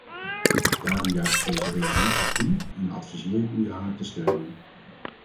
Daarom juich ik deze resolutie toe en adviseer ik u haar te steunen.